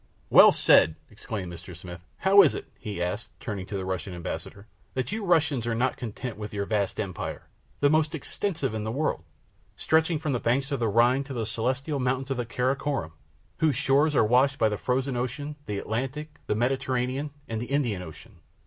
"Well said!" exclaimed Mr. Smith. "How is it," he asked, turning to the Russian ambassador, "that you Russians are not content with your vast empire, the most extensive in the world, stretching from the banks of the Rhine to the Celestial Mountains and the Kara Korum, whose shores are washed by the Frozen Ocean, the Atlantic, the Mediterranean, and the Indian Ocean?